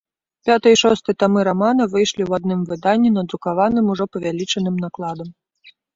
Пяты і шосты тамы рамана выйшлі ў адным выданні, надрукаваным ужо павялічаным накладам.